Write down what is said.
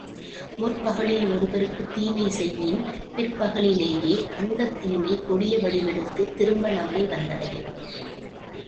முற்பகலில் ஒருவர்க்குத் தீமை செய்யின், பிற்பகலிலேயே அந்தத்தீமை கொடிய வடிவெடுத்துத் திரும்ப நம்மை வந்தடையும்.